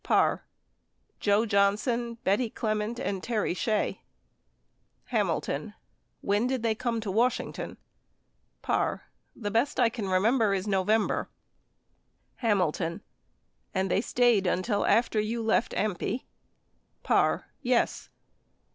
Parr. Joe Johnson, Betty Clement, and Terry Shea. ❖sfc Hamilton. When did they come to Washington ? Parr. The best I can remember is November. Hamilton. And they stayed until after you left AMPI? Parr. Yes.